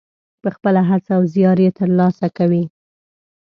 په خپله هڅه او زیار یې ترلاسه کوي.